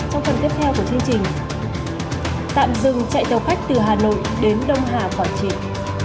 trong phần tiếp theo của chương trình tạm dừng chạy đầu khách từ hà nội đến đông hà và triển